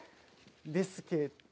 ですけど。